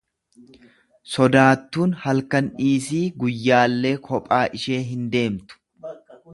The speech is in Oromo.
Sodaattuun halkan dhiisii guyyaallee kophaa ishee hin deemtu.